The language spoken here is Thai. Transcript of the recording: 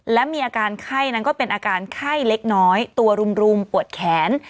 และมีอาการไข้นั้นก็เป็นอาการไข้เล็กน้อยตัวรุมปวดแขน